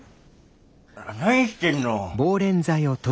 何してんの！